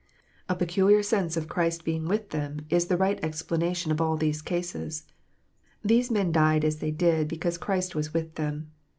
A peculiar sense of Christ being with them is the right explanation of all these cases. These men died as they did because Christ was with them.